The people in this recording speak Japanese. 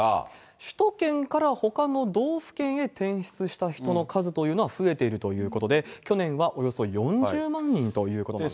首都圏からほかの道府県へ転出した人の数というのは増えているということで、去年はおよそ４０万人ということなんです。